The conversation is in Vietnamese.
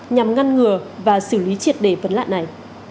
nhằm ngăn ngừa và xử lý triệt đề vấn nạn này